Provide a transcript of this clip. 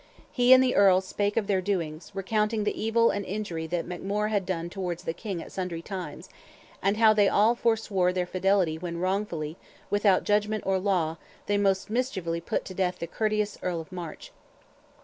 He and the Earl spake of their doings, recounting the evil and injury that MacMore had done towards the King at sundry times; and how they all foreswore their fidelity when wrongfully, without judgment or law, they most mischievously put to death the courteous Earl of March.